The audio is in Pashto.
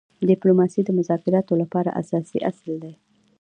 ډيپلوماسي د مذاکراتو لپاره اساسي اصل دی.